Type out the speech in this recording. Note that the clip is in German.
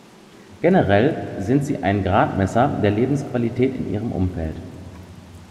Generell sind sie ein Gradmesser der Lebensqualität in ihrem Umfeld.